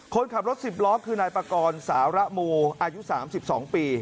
คนขับรถ๑๐ล้อคือนายปากรสาระโมอายุ๓๒ปี